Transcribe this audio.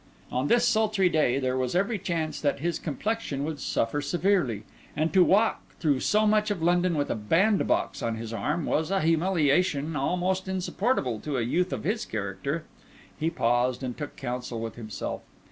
On this sultry day there was every chance that his complexion would suffer severely; and to walk through so much of London with a bandbox on his arm was a humiliation almost insupportable to a youth of his character. He paused, and took counsel with himself.